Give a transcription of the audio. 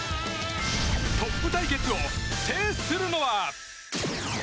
トップ対決を制するのは。